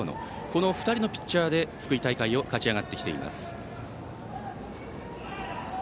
この２人のピッチャーで福井大会を勝ち上がっています。